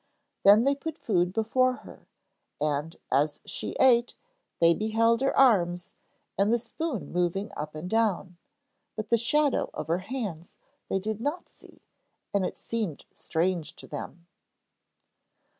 Then they put food before her, and, as she ate, they beheld her arms, and the spoon moving up and down. But the shadow of her hands they did not see, and it seemed strange to them.